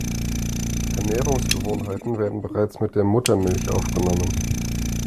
Ernährungsgewohnheiten werden bereits mit der Muttermilch aufgenommen.